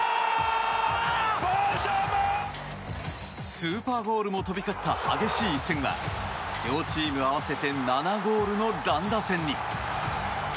スーパーゴールも飛び交った激しい一戦は両チーム合わせて７ゴールの乱打戦に。